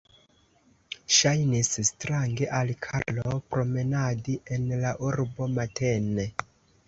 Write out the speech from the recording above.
Ŝajnis strange al Karlo promenadi en la urbo matene.